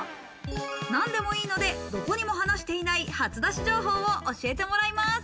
何でもいいので、どこにも話していない初出し情報を教えてもらいます。